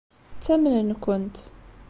Ttamnen-kent.